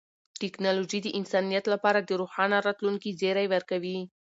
ټیکنالوژي د انسانیت لپاره د روښانه راتلونکي زیری ورکوي.